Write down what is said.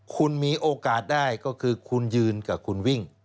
คุณมีโอกาสได้ก็คือคุณยืนกับคุณวิ่ง